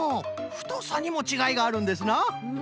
ふとさにもちがいがあるんですな。